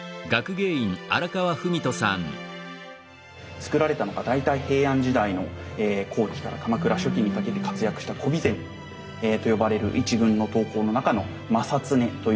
作られたのが大体平安時代の後期から鎌倉初期にかけて活躍した古備前と呼ばれる一群の刀工の中の正恒という刀鍛冶によるものなんですね。